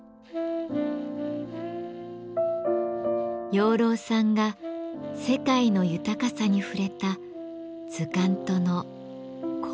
養老さんが世界の豊かさに触れた図鑑との幸福な出会い。